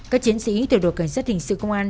các chiến sĩ từ đội cảnh sát hình sự công an